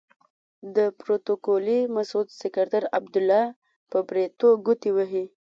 د پروتوکولي مسعود سکرتر عبدالله په بریتو ګوتې وهي.